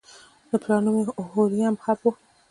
د پلار نوم یې هوریم هب و.